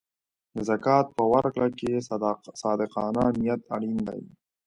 د زکات په ورکړه کې صادقانه نیت اړین دی.